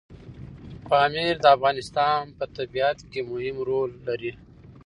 پامیر د افغانستان په طبیعت کې مهم رول لري.